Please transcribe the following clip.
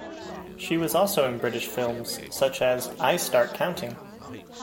She was also in British films such as "I Start Counting".